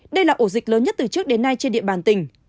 đây là ổ dịch lớn nhất từ trước đến nay trên địa bàn tỉnh